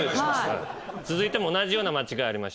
続いても同じような間違いありました。